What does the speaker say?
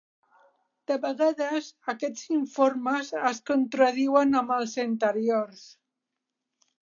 De vegades, aquests informes es contradiuen amb els anteriors.